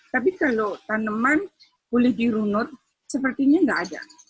tapi kalau tanaman boleh dirunut sepertinya nggak ada